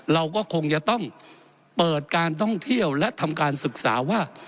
เราก็คงจะต้องเปิดการท่องเที่ยวและทำการศึกษาว่า